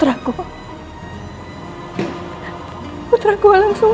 semoga aku terus berhutang amin